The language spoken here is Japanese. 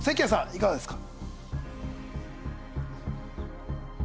いかがですか？